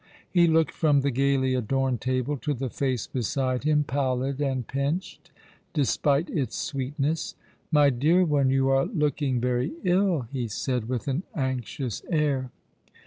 He looked from the gaily adorned table to the face beside him, pallid and pinched, despite its sweetness. " My dear one, you are looking very ill," he said, with an anxious air.